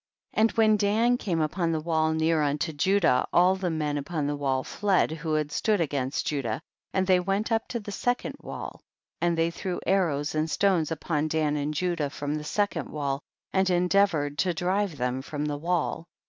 42. And when Dan came upon the wall near unto Judah all the men upon the wall fled, who had stood against Judah, and they went up to the second wall, and they threw ar rows and stones upon Dan and Judah from the second wall, and endeavor ed to drive them from the wall.